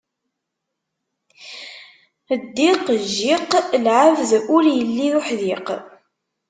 Ddiq, jjiq, lɛebd ur illi d uḥdiq.